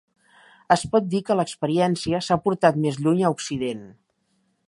Es pot dir que l'experiència s'ha portat més lluny a Occident.